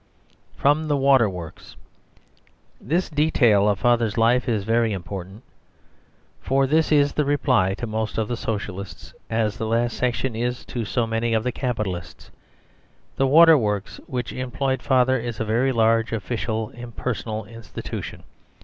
3. From the Water works. This detail of Father's life is very important; for this is the reply to most of the Socialists, as the last section is to so many of the Capitalists. The water works which employed Father is a very large, official and impersonal institution.